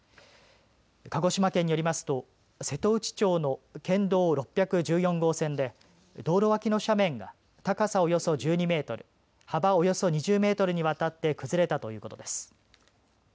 鹿児島県によりますと瀬戸内町の県道６１４号線で道路脇の斜面が高さおよそ１２メートル、幅およそ２０メートルにわたって崩れたということです。